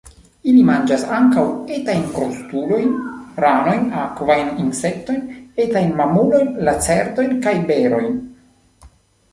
Ili manĝas ankaŭ etajn krustulojn, ranojn, akvajn insektojn, etajn mamulojn, lacertojn kaj berojn.